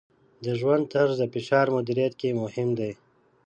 د ژوند طرز د فشار مدیریت کې مهم دی.